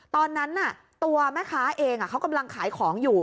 ตอนนั้นตัวแม่ค้าเองเขากำลังขายของอยู่